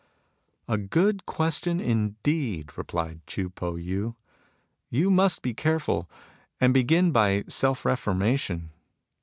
"A good question, indeed," replied Chii Po Yii ;" you must be careful, and begin by self reformation.